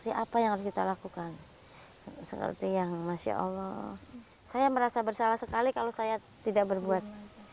saya merasa bersalah sekali kalau saya tidak berbuat